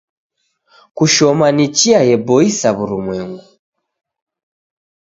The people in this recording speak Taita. Kushoma ni chia yeboisa w'urumwengu.